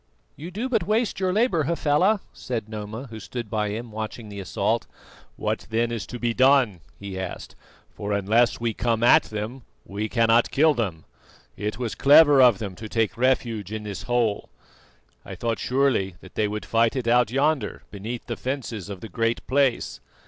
"You do but waste your labour, Hafela," said Noma, who stood by him watching the assault. "What then is to be done?" he asked, "for unless we come at them we cannot kill them. It was clever of them to take refuge in this hole. I thought surely that they would fight it out yonder, beneath the fences of the Great Place."